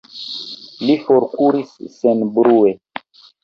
Li forkuris senbrue.